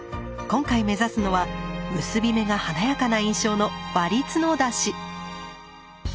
今回目指すのは結び目が華やかな印象の「割り角出し」。